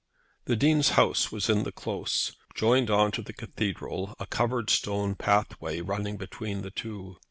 The Dean's house was in the Close, joined on to the Cathedral, a covered stone pathway running between the two.